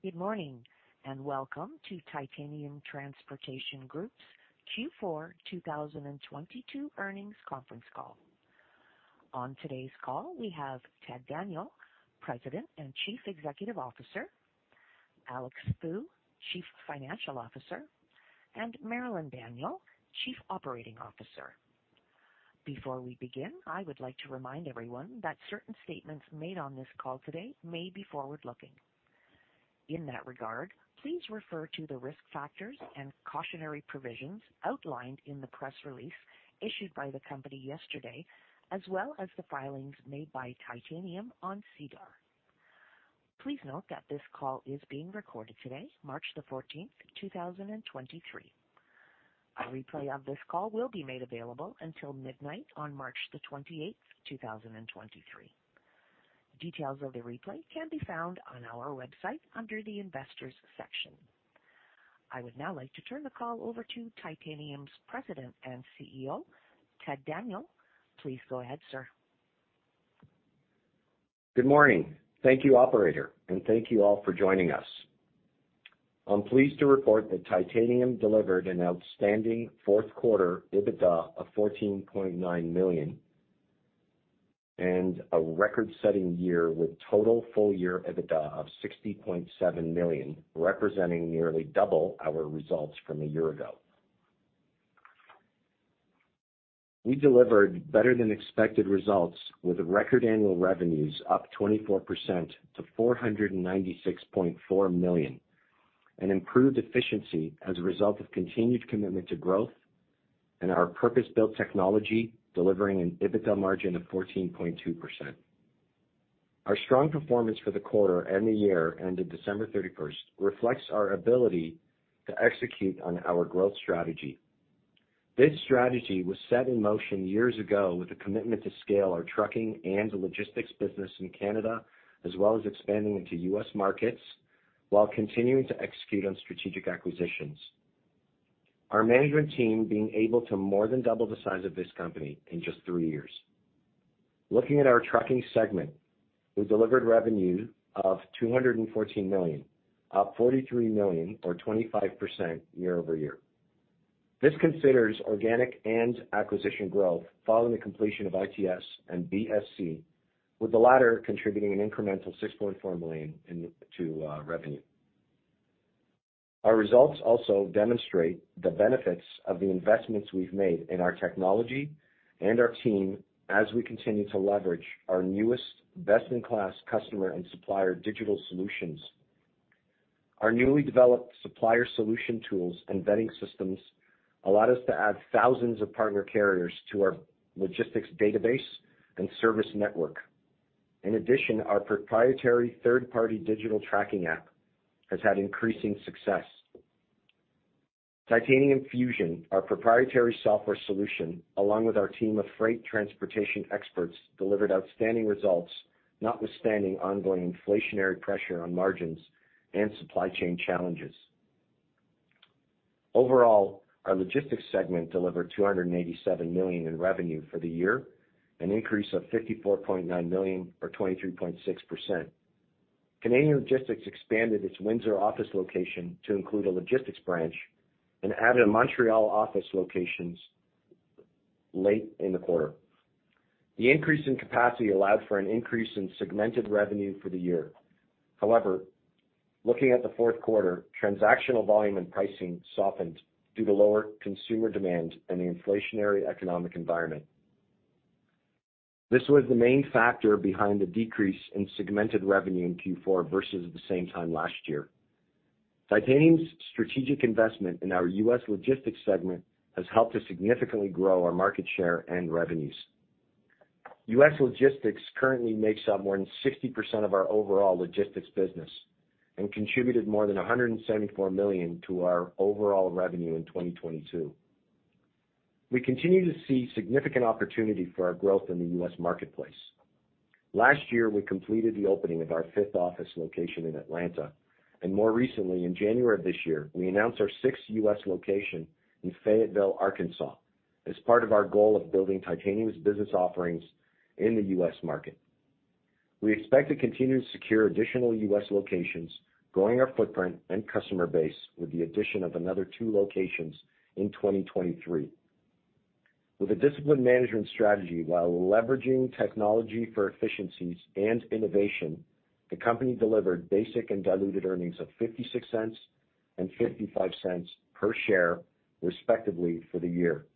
Good morning, welcome to Titanium Transportation Group's Q4 2022 earnings conference call. On today's call, we have Ted Daniel, President and Chief Executive Officer, Alex Fu, Chief Financial Officer, and Marilyn Daniel, Chief Operating Officer. Before we begin, I would like to remind everyone that certain statements made on this call today may be forward-looking. In that regard, please refer to the risk factors and cautionary provisions outlined in the press release issued by the company yesterday, as well as the filings made by Titanium on SEDAR. Please note that this call is being recorded today, March 14th, 2023. A replay of this call will be made available until midnight on March 28th, 2023. Details of the replay can be found on our website under the Investors section. I would now like to turn the call over to Titanium's President and CEO, Ted Daniel. Please go ahead, sir. Good morning. Thank you, operator, and thank you all for joining us. I'm pleased to report that Titanium delivered an outstanding fourth quarter EBITDA of $14.9 million, and a record-setting year with total full-year EBITDA of $60.7 million, representing nearly double our results from a year ago. We delivered better-than-expected results with record annual revenues up 24% to $496.4 million, and improved efficiency as a result of continued commitment to growth and our purpose-built technology, delivering an EBITDA margin of 14.2%. Our strong performance for the quarter and the year ended December 31st reflects our ability to execute on our growth strategy. This strategy was set in motion years ago with a commitment to scale our trucking and logistics business in Canada, as well as expanding into U.S. markets while continuing to execute on strategic acquisitions. Our management team being able to more than double the size of this company in just three years. Looking at our trucking segment, we delivered revenue of 214 million, up 43 million or 25% year-over-year. This considers organic and acquisition growth following the completion of ITS and BSC, with the latter contributing an incremental 6.4 million to revenue. Our results also demonstrate the benefits of the investments we've made in our technology and our team as we continue to leverage our newest best-in-class customer and supplier digital solutions. Our newly developed supplier solution tools and vetting systems allowed us to add thousands of partner carriers to our logistics database and service network. In addition, our proprietary third-party digital tracking app has had increasing success. Titanium Fusion, our proprietary software solution, along with our team of freight transportation experts, delivered outstanding results notwithstanding ongoing inflationary pressure on margins and supply chain challenges. Overall, our logistics segment delivered 287 million in revenue for the year, an increase of 54.9 million or 23.6%. Canadian Logistics expanded its Windsor office location to include a logistics branch and added a Montreal office locations late in the quarter. The increase in capacity allowed for an increase in segmented revenue for the year. However, looking at the fourth quarter, transactional volume and pricing softened due to lower consumer demand and the inflationary economic environment. This was the main factor behind the decrease in segmented revenue in Q4 versus the same time last year. Titanium's strategic investment in our U.S. logistics segment has helped us significantly grow our market share and revenues. U.S. logistics currently makes up more than 60% of our overall logistics business and contributed more than $174 million to our overall revenue in 2022. We continue to see significant opportunity for our growth in the U.S. marketplace. Last year, we completed the opening of our fifth office location in Atlanta, and more recently, in January of this year, we announced our sixth U.S. location in Fayetteville, Arkansas, as part of our goal of building Titanium's business offerings in the U.S. market. We expect to continue to secure additional U.S. locations, growing our footprint and customer base with the addition of another two locations in 2023. With a disciplined management strategy while leveraging technology for efficiencies and innovation, the company delivered basic and diluted earnings of 0.56 and 0.55 per share, respectively, for the year,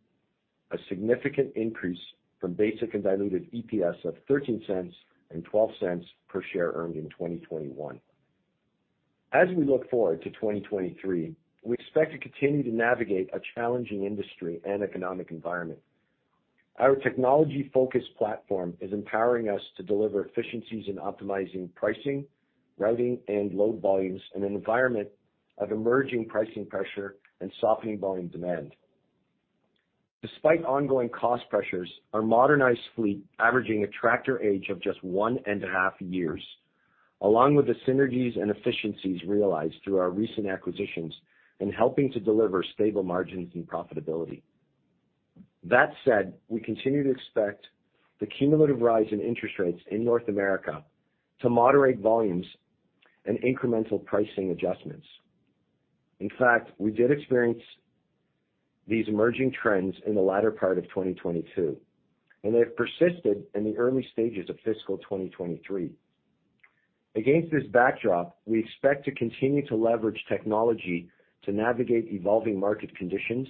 a significant increase from basic and diluted EPS of 0.13 and 0.12 per share earned in 2021. As we look forward to 2023, we expect to continue to navigate a challenging industry and economic environment. Our technology-focused platform is empowering us to deliver efficiencies in optimizing pricing, routing, and load volumes in an environment of emerging pricing pressure and softening volume demand. Despite ongoing cost pressures, our modernized fleet averaging a tractor age of just one and a half years, along with the synergies and efficiencies realized through our recent acquisitions and helping to deliver stable margins and profitability. That said, we continue to expect the cumulative rise in interest rates in North America to moderate volumes and incremental pricing adjustments. In fact, we did experience these emerging trends in the latter part of 2022, and they have persisted in the early stages of fiscal 2023. Against this backdrop, we expect to continue to leverage technology to navigate evolving market conditions,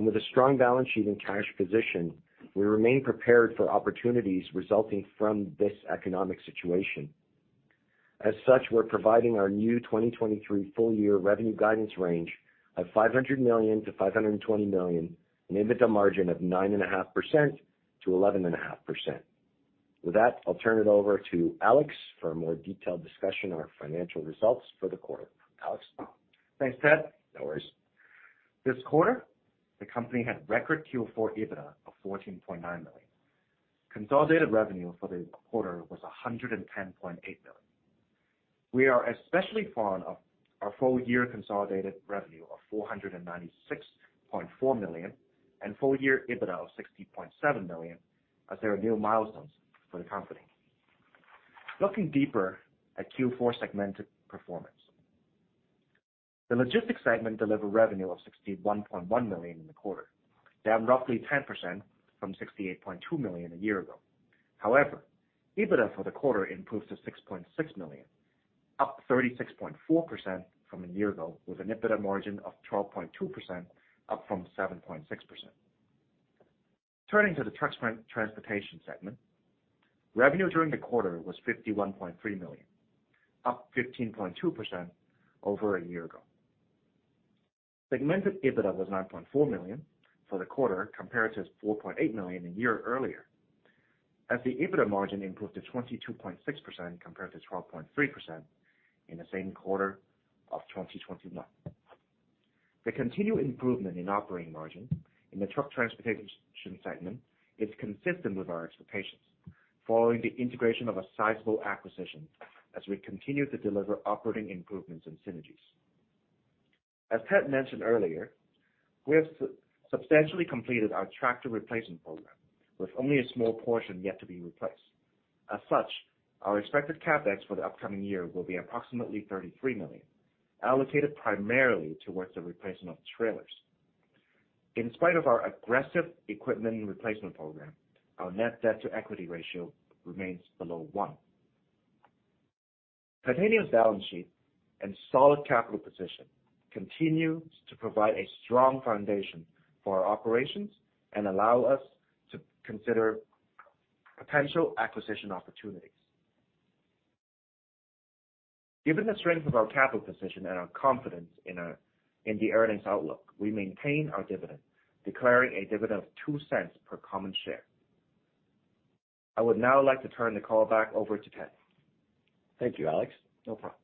and with a strong balance sheet and cash position, we remain prepared for opportunities resulting from this economic situation. As such, we're providing our new 2023 full year revenue guidance range of 500 million-520 million, an EBITDA margin of 9.5%-11.5%. With that, I'll turn it over to Alex for a more detailed discussion on our financial results for the quarter. Alex? Thanks, Ted. No worries. This quarter, the company had record Q4 EBITDA of $14.9 million. Consolidated revenue for the quarter was $110.8 million. We are especially fond of our full year consolidated revenue of $496.4 million and full year EBITDA of $60.7 million as they are new milestones for the company. Looking deeper at Q4 segmented performance. The logistics segment delivered revenue of $61.1 million in the quarter, down roughly 10% from $68.2 million a year ago. EBITDA for the quarter improved to $6.6 million, up 36.4% from a year ago, with an EBITDA margin of 12.2%, up from 7.6%. Turning to the truck transportation segment. Revenue during the quarter was 51.3 million, up 15.2% over a year ago. Segmented EBITDA was 9.4 million for the quarter compared to 4.8 million a year earlier, as the EBITDA margin improved to 22.6% compared to 12.3% in the same quarter of 2021. The continued improvement in operating margin in the truck transportation segment is consistent with our expectations following the integration of a sizable acquisition as we continue to deliver operating improvements and synergies. As Ted mentioned earlier, we have substantially completed our tractor replacement program, with only a small portion yet to be replaced. As such, our expected CapEx for the upcoming year will be approximately 33 million, allocated primarily towards the replacement of trailers. In spite of our aggressive equipment replacement program, our net debt to equity ratio remains below one. Titanium's balance sheet and solid capital position continues to provide a strong foundation for our operations and allow us to consider potential acquisition opportunities. Given the strength of our capital position and our confidence in the earnings outlook, we maintain our dividend, declaring a dividend of $0.02 per common share. I would now like to turn the call back over to Ted. Thank you, Alex. No problem.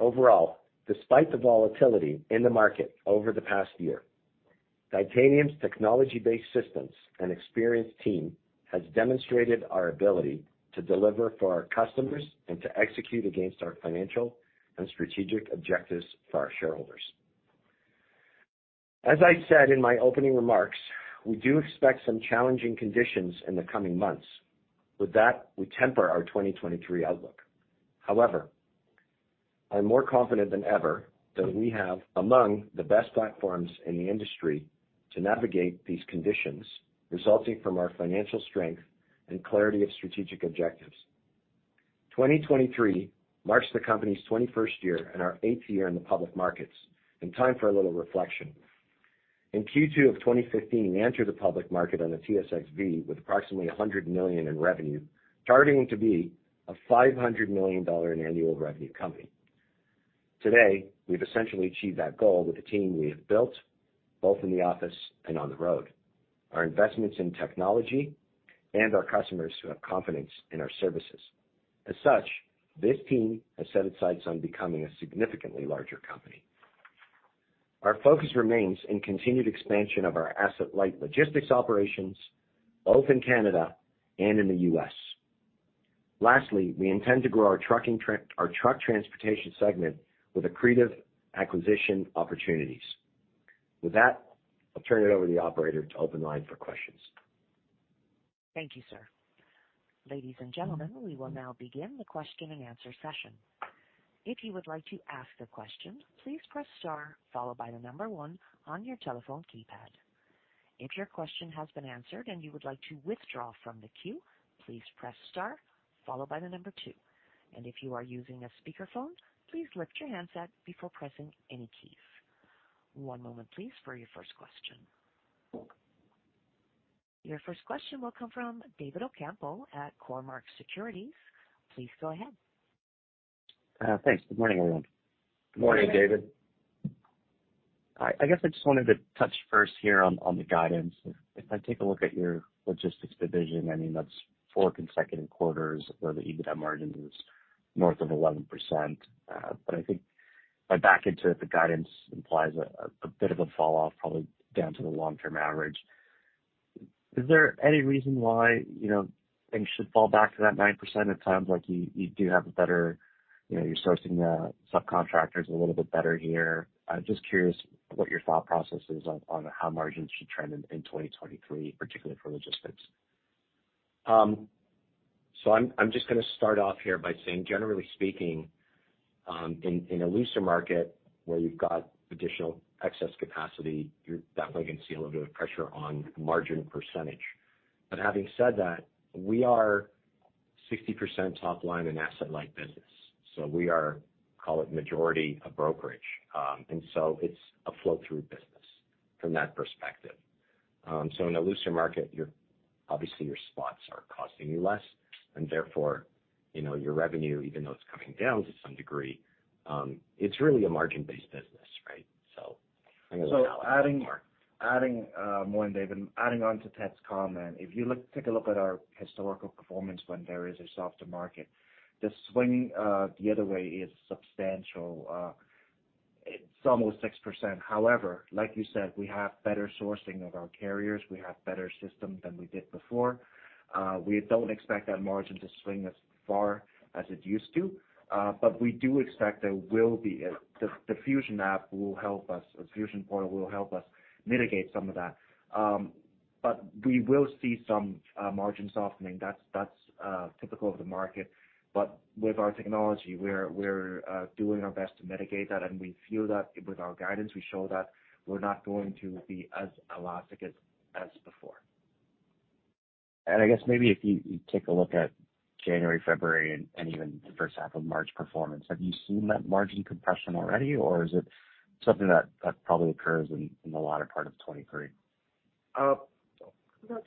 Overall, despite the volatility in the market over the past year, Titanium's technology-based systems and experienced team has demonstrated our ability to deliver for our customers and to execute against our financial and strategic objectives for our shareholders. As I said in my opening remarks, we do expect some challenging conditions in the coming months. With that, we temper our 2023 outlook. I'm more confident than ever that we have among the best platforms in the industry to navigate these conditions resulting from our financial strength and clarity of strategic objectives. 2023 marks the company's 21st year and our 8th year in the public markets, in time for a little reflection. In Q2 of 2015, we entered the public market on the TSXV with approximately 100 million in revenue, targeting to be a 500 million dollar in annual revenue company. Today, we've essentially achieved that goal with the team we have built both in the office and on the road, our investments in technology and our customers who have confidence in our services. As such, this team has set its sights on becoming a significantly larger company. Our focus remains in continued expansion of our asset-light logistics operations both in Canada and in the U.S. Lastly, we intend to grow our truck transportation segment with accretive acquisition opportunities. With that, I'll turn it over to the operator to open the line for questions. Thank you, sir. Ladies and gentlemen, we will now begin the question-and-answer session. If you would like to ask a question, please press star followed by one on your telephone keypad. If your question has been answered and you would like to withdraw from the queue, please press star followed by two. If you are using a speakerphone, please lift your handset before pressing any keys. One moment please for your first question. Your first question will come from David Ocampo at Cormark Securities. Please go ahead. Thanks. Good morning, everyone. Good morning, David. Good morning. I guess I just wanted to touch first here on the guidance. If I take a look at your logistics division, I mean, that's four consecutive quarters where the EBITDA margin is north of 11%. I think I back into the guidance implies a bit of a fall off, probably down to the long-term average. Is there any reason why, you know, things should fall back to that 9% at times, like you do have a better. You know, you're sourcing the subcontractors a little bit better here. I'm just curious what your thought process is on how margins should trend in 2023, particularly for logistics. I'm just gonna start off here by saying, generally speaking, in a looser market where you've got additional excess capacity, you're definitely gonna see a little bit of pressure on margin percentage. Having said that, we are 60% top line an asset-light business. We are, call it, majority a brokerage. It's a flow-through business from that perspective. In a looser market, obviously your spots are costing you less, and therefore, you know, your revenue, even though it's coming down to some degree, it's really a margin-based business, right? I'm gonna let Alex. Adding more, David, adding on to Ted's comment. If you take a look at our historical performance when there is a softer market, the swing, the other way is substantial. It's almost 6%. However, like you said, we have better sourcing of our carriers. We have better systems than we did before. We don't expect that margin to swing as far as it used to, but we do expect there will be the Fusion app will help us, or Fusion point will help us mitigate some of that. We will see some margin softening. That's typical of the market. With our technology, we're doing our best to mitigate that, and we feel that with our guidance, we show that we're not going to be as elastic as before. I guess maybe if you take a look at January, February and even the first half of March performance, have you seen that margin compression already, or is it something that probably occurs in the latter part of 2023? Uh. No.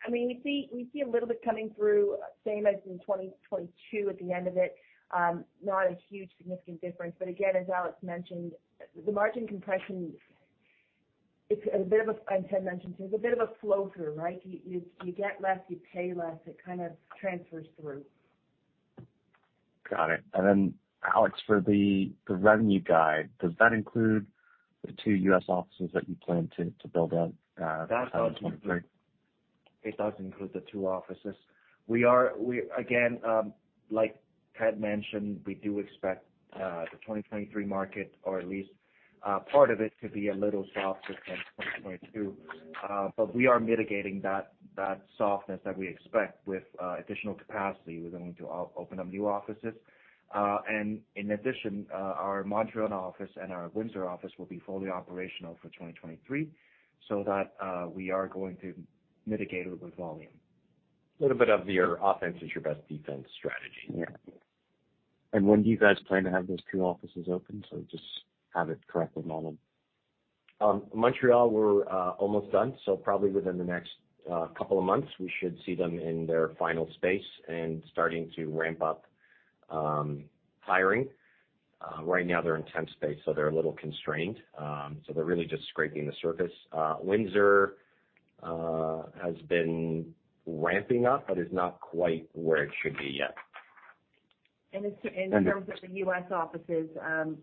I mean, we see a little bit coming through, same as in 2022 at the end of it. Not a huge significant difference, but again, as Alex mentioned, the margin compression, and Ted mentioned too, it's a bit of a flow-through, right? You get less, you pay less. It kind of transfers through. Got it. Alex, for the revenue guide, does that include the two U.S. offices that you plan to build out, in 2023? It does include the two offices. We are, Again, like Ted mentioned, we do expect the 2023 market or at least part of it to be a little softer than 2022. We are mitigating that softness that we expect with additional capacity. We're going to open up new offices. In addition, our Montreal office and our Windsor office will be fully operational for 2023, so that we are going to mitigate it with volume. A little bit of your offense is your best defense strategy. Yeah. When do you guys plan to have those two offices open? Just have it correctly modeled. Montreal, we're almost done, so probably within the next couple of months, we should see them in their final space and starting to ramp up hiring. Right now they're in temp space, so they're a little constrained. They're really just scraping the surface. Windsor has been ramping up but is not quite where it should be yet. In terms of the U.S. offices,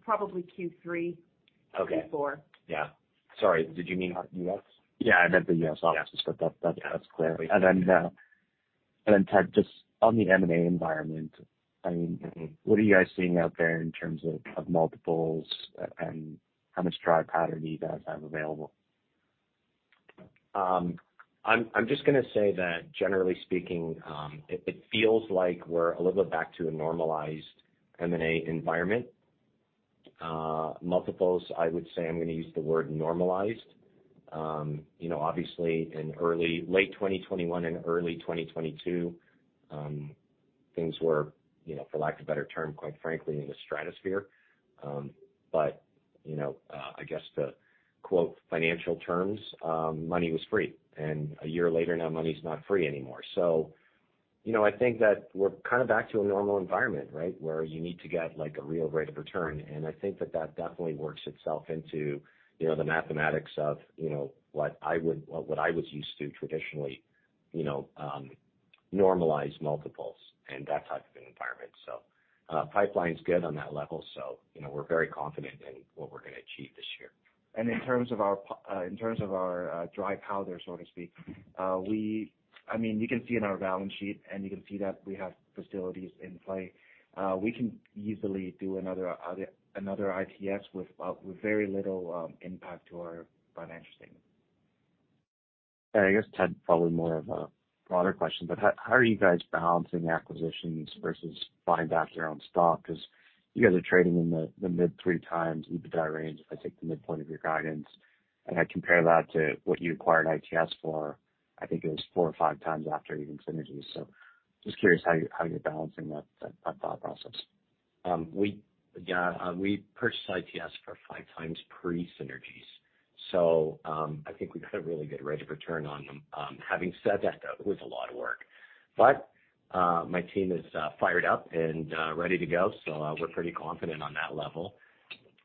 probably Q3. Okay. Q4. Yeah. Sorry, did you mean U.S.? Yeah, I meant the U.S. offices. Yeah. That's clear. Then Ted, just on the M&A environment, I mean, what are you guys seeing out there in terms of multiples and how much dry powder you guys have available? I'm just gonna say that generally speaking, it feels like we're a little bit back to a normalized M&A environment. Multiples, I would say I'm gonna use the word normalized. You know, obviously in late 2021 and early 2022, things were, you know, for lack of a better term, quite frankly, in the stratosphere. But, you know, I guess to quote financial terms, money was free, and a year later, now money's not free anymore. You know, I think that we're kind of back to a normal environment, right? Where you need to get like a real rate of return. I think that that definitely works itself into, you know, the mathematics of, you know, what I was used to traditionally, you know, normalize multiples and that type of an environment. Pipeline's good on that level, so, you know, we're very confident in what we're gonna achieve this year. In terms of our dry powder, so to speak, we I mean, you can see in our balance sheet, and you can see that we have facilities in play. We can easily do another ITS with very little impact to our financial statement. I guess, Ted, probably more of a broader question, but how are you guys balancing acquisitions versus buying back your own stock? 'Cause you guys are trading in the mid 3x EBITDA range, if I take the midpoint of your guidance, and I compare that to what you acquired ITS for, I think it was 4x or 5x after even synergies. Just curious how you're balancing that thought process? We, yeah, we purchased ITS for 5x pre-synergies. I think we got a really good rate of return on them. Having said that, though, it was a lot of work. My team is fired up and ready to go, so we're pretty confident on that level.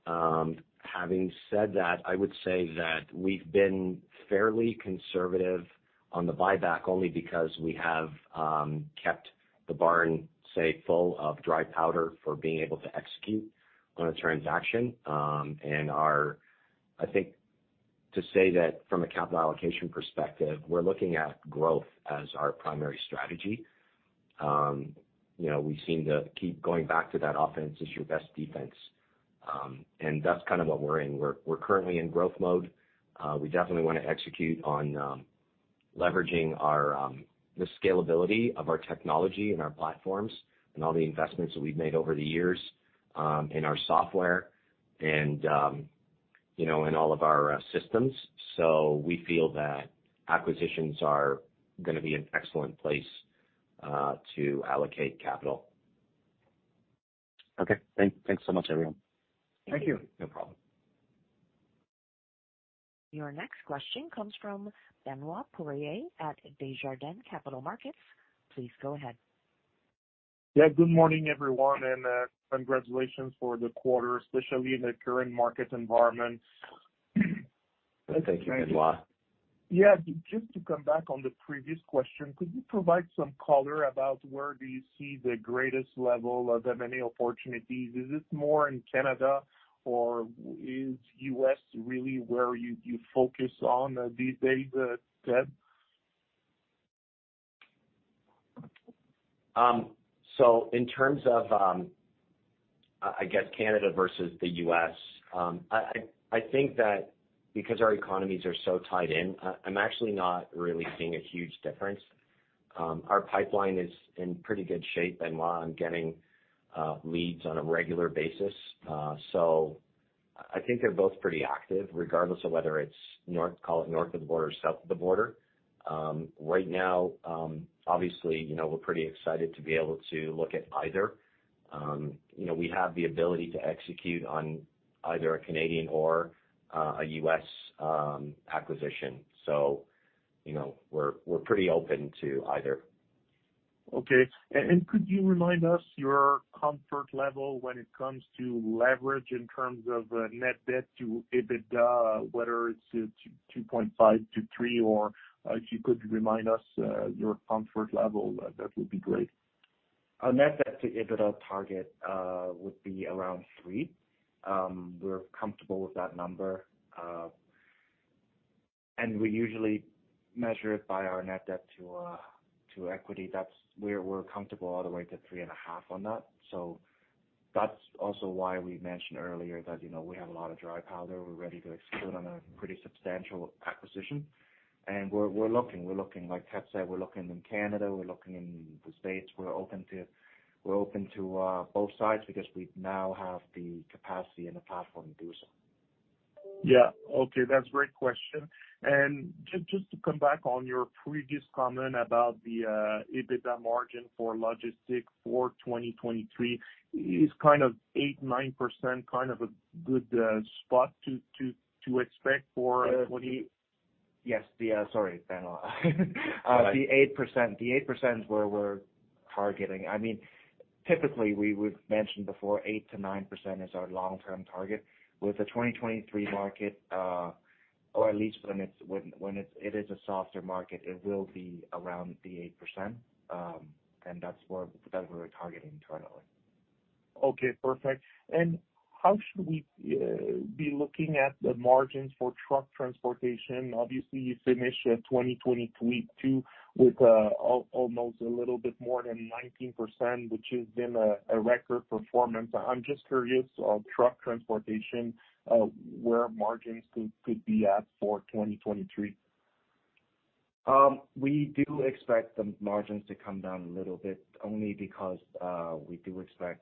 Having said that, I would say that we've been fairly conservative on the buyback only because we have kept the barn, say, full of dry powder for being able to execute on a transaction. I think to say that from a capital allocation perspective, we're looking at growth as our primary strategy. You know, we seem to keep going back to that offense is your best defense. That's kind of what we're in. We're currently in growth mode. We definitely wanna execute on leveraging our the scalability of our technology and our platforms and all the investments that we've made over the years in our software and, you know, in all of our systems. We feel that acquisitions are gonna be an excellent place to allocate capital. Okay. Thanks so much, everyone. Thank you. No problem. Your next question comes from Benoit Poirier at Desjardins Capital Markets. Please go ahead. Good morning, everyone, congratulations for the quarter, especially in the current market environment. Thank you, Benoit. Yeah, just to come back on the previous question, could you provide some color about where do you see the greatest level of M&A opportunities? Is it more in Canada or is US really where you focus on these days, Ted? In terms of, I guess Canada versus the U.S., I think that because our economies are so tied in, I'm actually not really seeing a huge difference. Our pipeline is in pretty good shape, Benoit, on getting leads on a regular basis. I think they're both pretty active regardless of whether it's call it north of the border or south of the border. Right now, obviously, you know, we're pretty excited to be able to look at either. You know, we have the ability to execute on either a Canadian or a US acquisition. You know, we're pretty open to either. Okay. Could you remind us your comfort level when it comes to leverage in terms of net debt to EBITDA, whether it's 2.5-3, or if you could remind us your comfort level, that would be great. Our net debt to EBITDA target would be around three. We're comfortable with that number, and we usually measure it by our net debt to to equity. That's where we're comfortable all the way to three and a half on that. That's also why we mentioned earlier that, you know, we have a lot of dry powder. We're ready to execute on a pretty substantial acquisition, and we're looking. We're looking. Like Ted said, we're looking in Canada, we're looking in the States. We're open to both sides because we now have the capacity and the platform to do so. Yeah. Okay. That's great question. Just to come back on your previous comment about the EBITDA margin for logistics for 2023, is kind of 8%, 9% kind of a good spot to expect? Yes. Sorry, Benoit. The 8% is where we're targeting. I mean, typically, we would mention before 8%-9% is our long-term target. With the 2023 market, or at least when it's a softer market, it will be around the 8%, and that's where we're targeting internally. Okay, perfect. How should we be looking at the margins for truck transportation? Obviously, you finished 2022 with almost a little bit more than 19%, which has been a record performance. I'm just curious on truck transportation where margins could be at for 2023. We do expect the margins to come down a little bit, only because we do expect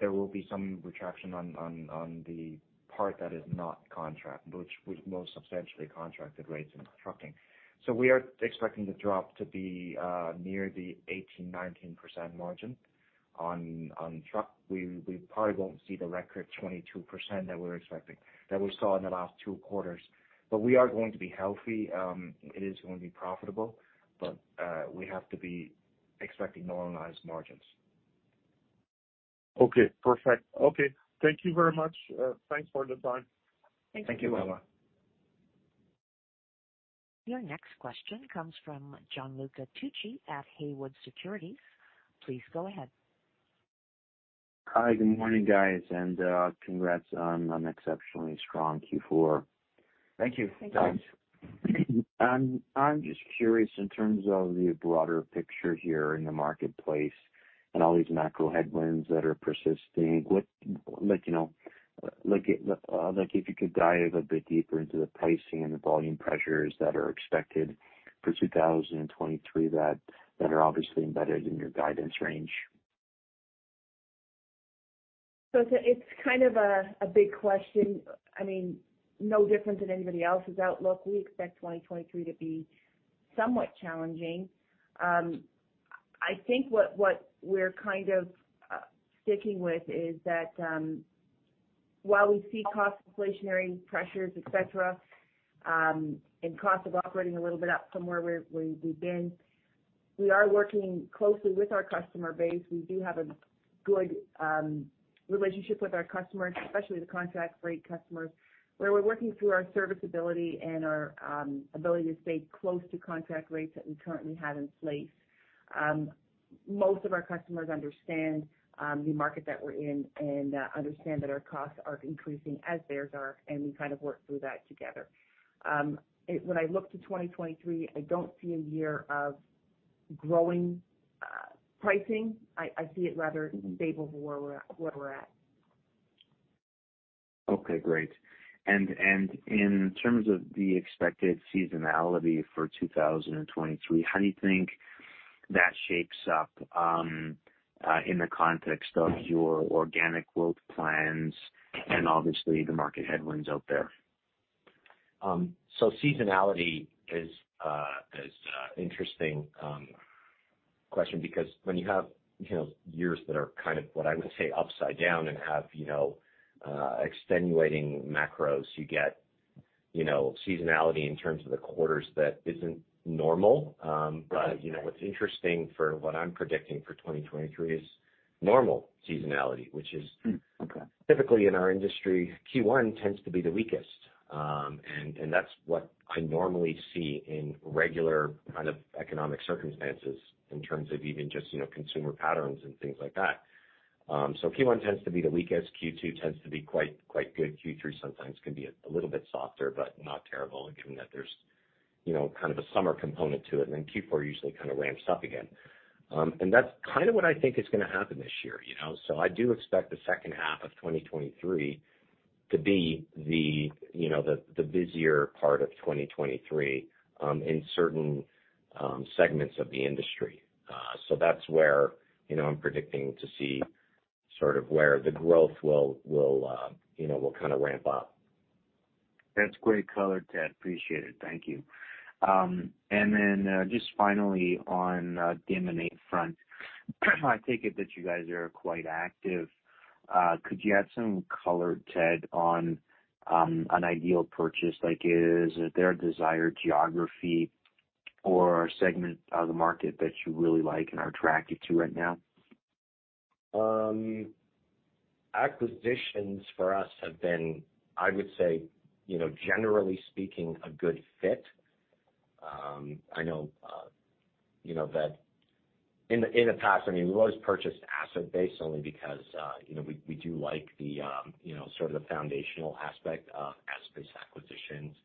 there will be some retraction on the part that is not contract, which most substantially contracted rates in trucking. We are expecting the drop to be near the 18%-19% margin on truck. We probably won't see the record 22% that we saw in the last two quarters. We are going to be healthy. It is going to be profitable, but we have to be expecting normalized margins. Okay, perfect. Okay, thank you very much. thanks for the time. Thank you, Benoit. Thank you. Your next question comes from Gianluca Tucci at Haywood Securities. Please go ahead. Hi. Good morning, guys, and congrats on an exceptionally strong Q4. Thank you. Thank you. I'm just curious in terms of the broader picture here in the marketplace and all these macro headwinds that are persisting, Like, you know, like if you could dive a bit deeper into the pricing and the volume pressures that are expected for 2023 that are obviously embedded in your guidance range? It's kind of a big question. I mean, no different than anybody else's outlook. We expect 2023 to be somewhat challenging. I think what we're kind of sticking with is that, while we see cost inflationary pressures, et cetera, and cost of operating a little bit up from where we've been, we are working closely with our customer base. We do have. Good relationship with our customers, especially the contract rate customers, where we're working through our serviceability and our ability to stay close to contract rates that we currently have in place. Most of our customers understand the market that we're in and understand that our costs are increasing as theirs are, and we kind of work through that together. When I look to 2023, I don't see a year of growing pricing. I see it rather stable where we're at. Okay, great. In terms of the expected seasonality for 2023, how do you think that shapes up in the context of your organic growth plans and obviously the market headwinds out there? Seasonality is a interesting question because when you have, you know, years that are kind of what I would say upside down and have, you know, extenuating macros, you get, you know, seasonality in terms of the quarters that isn't normal. You know, what's interesting for what I'm predicting for 2023 is normal seasonality. Okay. Typically in our industry, Q1 tends to be the weakest. That's what I normally see in regular kind of economic circumstances in terms of even just, you know, consumer patterns and things like that. Q1 tends to be the weakest. Q2 tends to be quite good. Q3 sometimes can be a little bit softer but not terrible given that there's, you know, kind of a summer component to it. Then Q4 usually kind of ramps up again. That's kind of what I think is gonna happen this year, you know. I do expect the second half of 2023 to be the, you know, the busier part of 2023, in certain segments of the industry. That's where, you know, I'm predicting to see sort of where the growth will, you know, will kinda ramp up. That's great color, Ted. Appreciate it. Thank you. Just finally on M&A front, I take it that you guys are quite active. Could you add some color, Ted, on an ideal purchase, like is there a desired geography or segment of the market that you really like and are attracted to right now? Acquisitions for us have been, I would say, you know, generally speaking, a good fit. I know, you know, that in the, in the past, I mean, we've always purchased asset-based only because, you know, we do like the, you know, sort of the foundational aspect of asset-based acquisitions.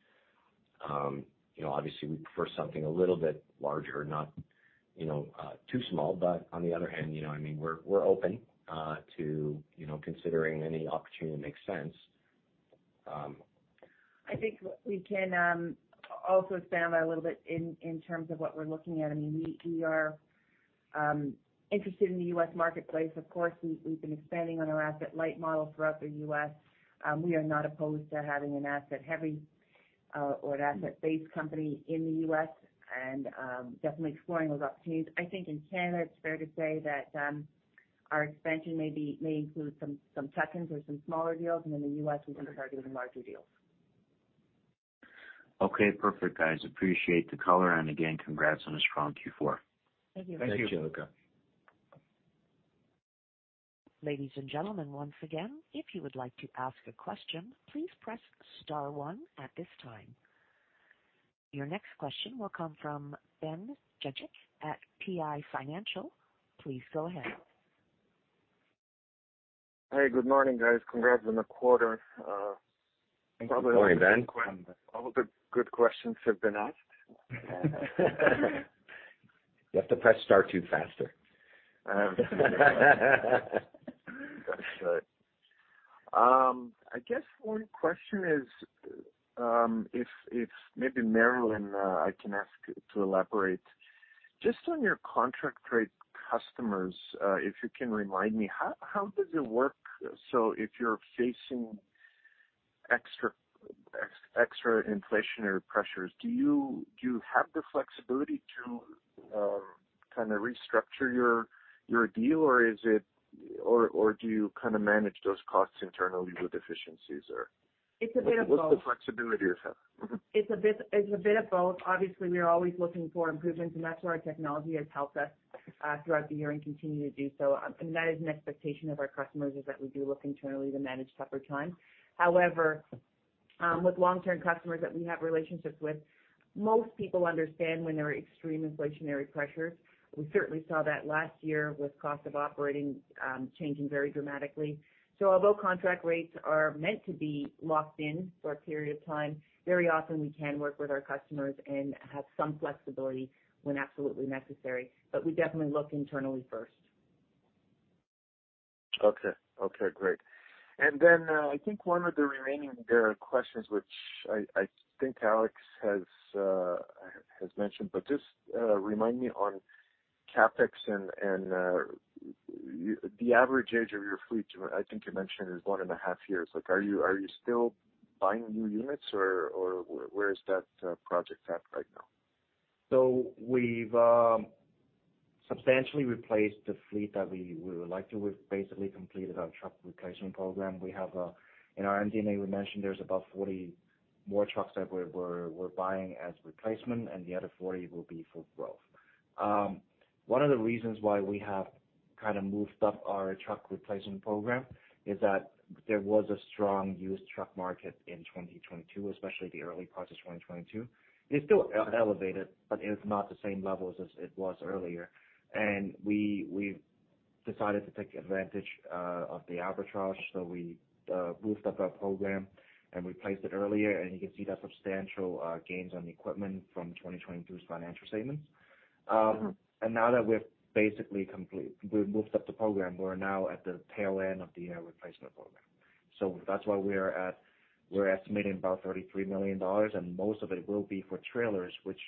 You know, obviously we prefer something a little bit larger, not, you know, too small, but on the other hand, you know, I mean, we're open to, you know, considering any opportunity that makes sense. I think we can also expand that a little bit in terms of what we're looking at. I mean, we are interested in the U.S. marketplace. Of course, we've been expanding on our asset-light model throughout the U.S. We are not opposed to having an asset-heavy or an asset-based company in the U.S. and definitely exploring those opportunities. I think in Canada, it's fair to say that our expansion may include some tuck-ins or some smaller deals, and in the U.S., we kind of target the larger deals. Okay. Perfect, guys. Appreciate the color, and again, congrats on a strong Q4. Thank you. Thanks, Gianluca. Ladies and gentlemen, once again, if you would like to ask a question, please press star one at this time. Your next question will come from Ben Jecic at PI Financial. Please go ahead. Hey, good morning, guys. Congrats on the quarter. Good morning, Ben. All the good questions have been asked. You have to press star two faster. That's right. I guess one question is, if maybe Marilyn, I can ask to elaborate. Just on your contract rate customers, if you can remind me, how does it work? If you're facing extra inflationary pressures, do you have the flexibility to kinda restructure your deal or do you kinda manage those costs internally with efficiencies or? It's a bit of both. What's the flexibility you have? It's a bit of both. Obviously, we are always looking for improvements, and that's where our technology has helped us throughout the year and continue to do so. That is an expectation of our customers, is that we do look internally to manage tougher times. However, with long-term customers that we have relationships with, most people understand when there are extreme inflationary pressures. We certainly saw that last year with cost of operating, changing very dramatically. Although contract rates are meant to be locked in for a period of time, very often we can work with our customers and have some flexibility when absolutely necessary. We definitely look internally first. Okay. Okay, great. Then, I think one of the remaining questions, which I think Alex has mentioned, but just remind me on CapEx and the average age of your fleet, I think you mentioned is one and a half years. Like, are you, are you still buying new units or where is that project at right now? We've substantially replaced the fleet that we would like to. We've basically completed our truck replacement program. We have, in our MD&A, we mentioned there's about 40-More trucks that we're buying as replacement and the other 40 will be for growth. One of the reasons why we have kinda moved up our truck replacement program is that there was a strong used truck market in 2022, especially the early part of 2022. It's still elevated, but it's not the same levels as it was earlier. We've decided to take advantage of the arbitrage. We moved up our program and replaced it earlier. You can see the substantial gains on the equipment from 2022's financial statements. Now that we're basically we've moved up the program, we're now at the tail end of the replacement program. That's why we're estimating about 33 million dollars, and most of it will be for trailers, which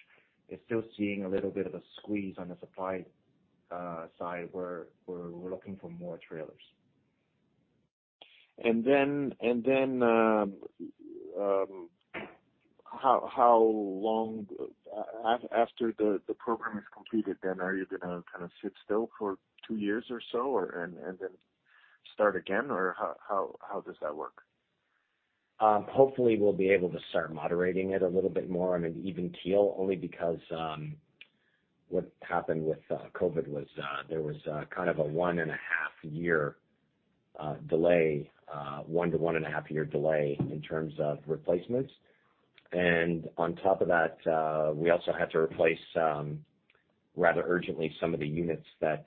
is still seeing a little bit of a squeeze on the supply side. We're looking for more trailers. How long. After the program is completed, then are you gonna kinda sit still for two years or so and then start again, or how does that work? Hopefully we'll be able to start moderating it a little bit more on an even keel only because what happened with COVID was there was kind of a one and a half year delay, 1-1.5 year delay in terms of replacements. On top of that, we also had to replace rather urgently some of the units that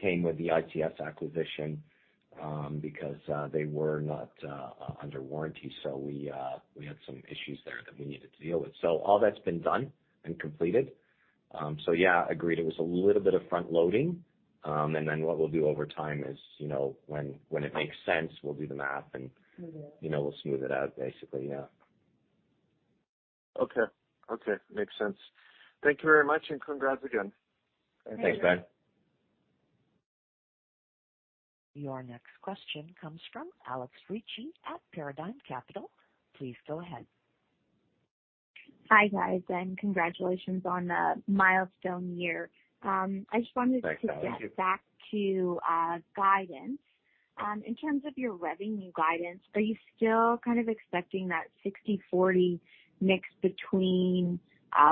came with the ITS acquisition because they were not under warranty. We had some issues there that we needed to deal with. All that's been done and completed. Yeah, agreed, it was a little bit of front-loading. What we'll do over time is, you know, when it makes sense, we'll do the math and, you know, we'll smooth it out, basically. Yeah. Okay. Okay. Makes sense. Thank you very much, and congrats again. Thanks, Ben. Your next question comes from Alexandra Ricci at Paradigm Capital. Please go ahead. Hi, guys, and congratulations on a milestone year. Thanks, Alex. Get back to guidance. In terms of your revenue guidance, are you still kind of expecting that 60/40 mix between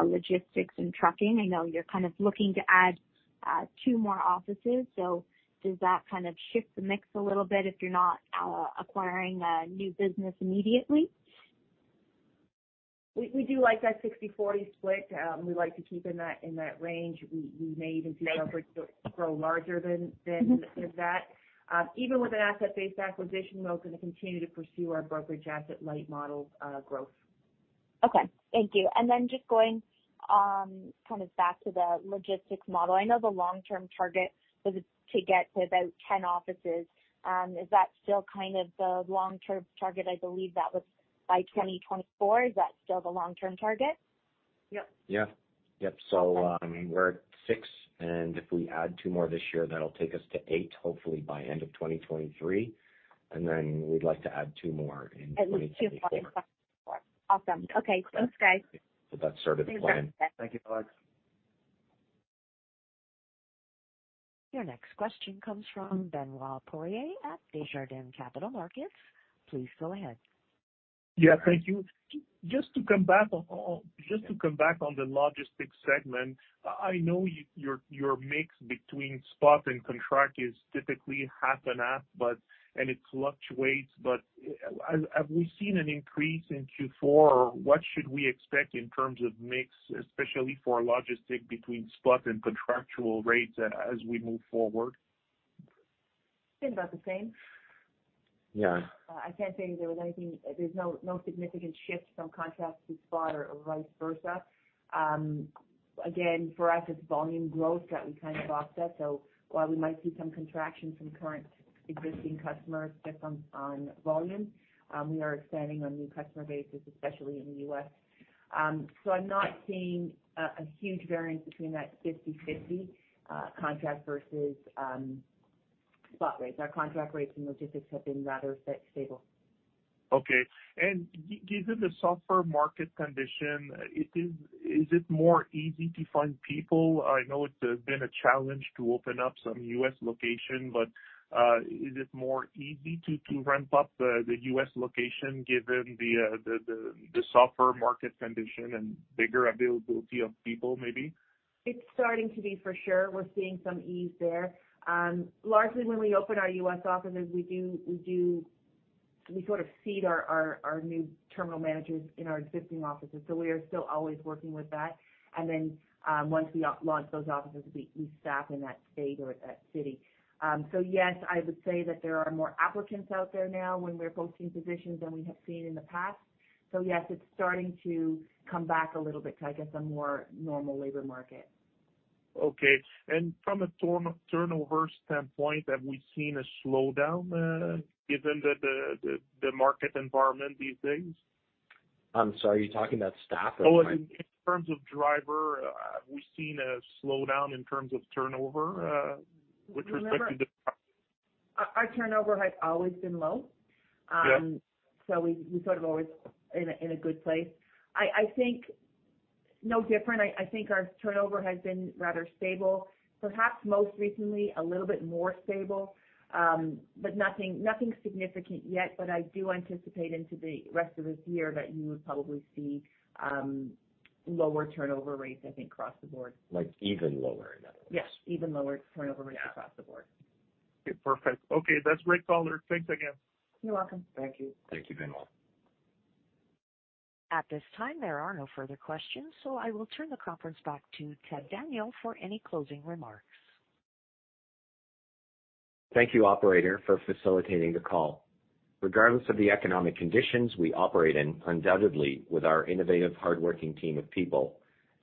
logistics and trucking? I know you're kind of looking to add two more offices. Does that kind of shift the mix a little bit if you're not acquiring a new business immediately? We do like that 60/40 split. We like to keep in that range. We may even see brokerage grow larger than that. Even with an asset-based acquisition, we're gonna continue to pursue our brokerage asset light model growth. Okay. Thank you. Just going, kind of back to the logistics model. I know the long-term target was to get to about 10 offices. Is that still kind of the long-term target? I believe that was by 2024. Is that still the long-term target? Yep. Yeah. Yep. We're at six, and if we add two more this year, that'll take us to eight, hopefully by end of 2023. We'd like to add tw more in 2024. At least two more by 2024. Awesome. Okay, thanks, guys. That's sort of the plan. Thanks, guys. Your next question comes from Benoit Poirier at Desjardins Capital Markets. Please go ahead. Yeah, thank you. Just to come back on the logistics segment. I know your mix between spot and contract is typically half and half, and it fluctuates, but have we seen an increase in Q4, or what should we expect in terms of mix, especially for logistics between spot and contractual rates as we move forward? It's been about the same. Yeah. I can't say there was anything. There's no significant shift from contract to spot or vice versa. For us, it's volume growth that we kinda offset. While we might see some contraction from current existing customers just on volume, we are expanding our new customer bases, especially in the U.S. I'm not seeing a huge variance between that 50/50 contract versus spot rates. Our contract rates and logistics have been rather stable. Okay. given the softer market condition, is it more easy to find people? I know it's been a challenge to open up some U.S. location, but, is it more easy to ramp up the U.S. location given the softer market condition and bigger availability of people, maybe? It's starting to be for sure. We're seeing some ease there. Largely when we open our U.S. offices, we sort of seed our new terminal managers in our existing offices. We are still always working with that. Once we launch those offices, we staff in that state or that city. Yes, I would say that there are more applicants out there now when we're posting positions than we have seen in the past. Yes, it's starting to come back a little bit to, I guess, a more normal labor market. Okay. From a turnover standpoint, have we seen a slowdown, given the market environment these days? I'm sorry, are you talking about staff or what? Oh, in terms of driver, have we seen a slowdown in terms of turnover, with respect to the. Remember, our turnover has always been low. We sort of always in a good place. I think no different. I think our turnover has been rather stable. Perhaps most recently, a little bit more stable, but nothing significant yet. I do anticipate into the rest of this year that you would probably see lower turnover rates, I think, across the board. Like even lower, in other words. Yes, even lower turnover rates across the board. Yeah. Okay, perfect. Okay, that's great color. Thanks again. You're welcome. Thank you. Thank you, Benoit. At this time, there are no further questions, I will turn the conference back to Ted Daniel for any closing remarks. Thank you, operator, for facilitating the call. Regardless of the economic conditions we operate in, undoubtedly, with our innovative, hardworking team of people,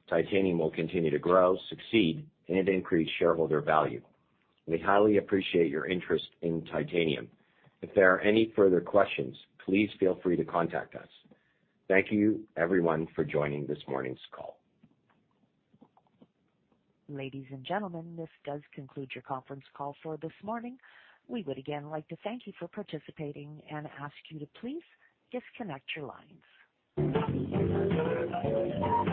Titanium will continue to grow, succeed, and increase shareholder value. We highly appreciate your interest in Titanium. If there are any further questions, please feel free to contact us. Thank you, everyone, for joining this morning's call. Ladies and gentlemen, this does conclude your conference call for this morning. We would again like to thank you for participating and ask you to please disconnect your lines.